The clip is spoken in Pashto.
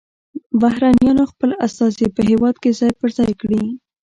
بهرنیانو خپل استازي په هیواد کې ځای پر ځای کړي